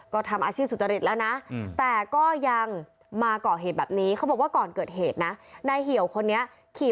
ก็ทำอาชีพสุจริตแล้วนะแต่ก็ยังมาเกาะเหตุแบบนี้